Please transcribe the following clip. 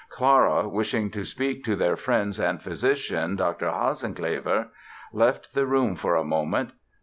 Clara, wishing to speak to their friend and physician, Dr. Hasenclever, left the room for a moment.